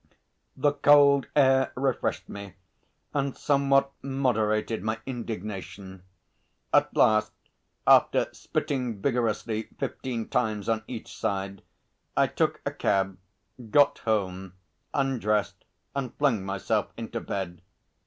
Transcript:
The cold air refreshed me and somewhat moderated my indignation. At last, after spitting vigorously fifteen times on each side, I took a cab, got home, undressed and flung myself into bed.